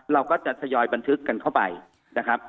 เราก็จะทยอยบันทึกกันเข้าไปนะครับ